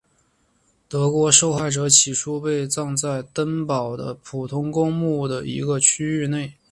德国受害者起初被葬在登堡的普通公墓的一个区域内。